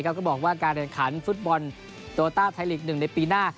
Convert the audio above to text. ก็บอกว่าการแข่งขันฟุตบอลโตต้าไทยลีก๑ในปีหน้า